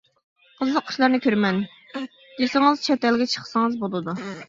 قىزىق ئىشلارنى كۆرىمەن، دېسىڭىز چەت ئەلگە چىقسىڭىز بولىدۇ.